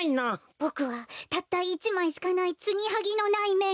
ボクはたった１まいしかないツギハギのないめんこ。